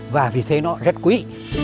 và vì thế nó rất quý